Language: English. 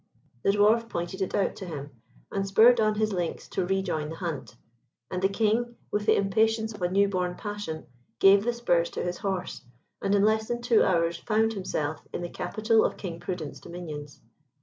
The dwarf pointed it out to him, and spurred on his lynx to rejoin the hunt, and the King, with the impatience of a new born passion, gave the spurs to his horse, and in less than two hours found himself in the capital of King Prudent's dominions.